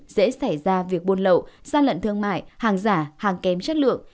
dễ xảy ra việc buôn lậu gian lận thương mại hàng giả hàng kém chất lượng